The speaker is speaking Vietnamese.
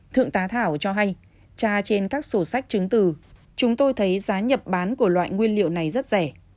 thượng tá thảo cho hay tra trên các sổ sách chứng từ chúng tôi thấy giá nhập bán của loại nguyên liệu này rất rẻ